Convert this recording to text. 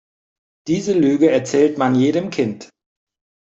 Diese Lüge erzählt man jedem Kind.